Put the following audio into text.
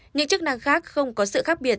những chức năng khác không có sự khác biệt